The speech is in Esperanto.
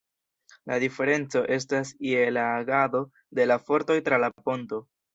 La diferenco estas je la agado de la fortoj tra la ponto.